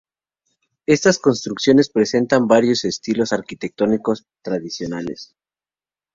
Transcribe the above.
Estas construcciones presentan varios estilos arquitectónicos tradicionales.